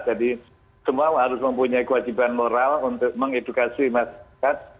jadi semua harus mempunyai kewajiban moral untuk mengedukasi masyarakat